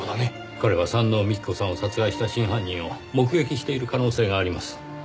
彼が山王美紀子さんを殺害した真犯人を目撃している可能性があります。